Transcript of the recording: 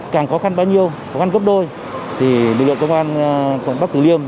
càng khó khăn bao nhiêu khó khăn gấp đôi thì lực lượng công an quận bắc tử liêm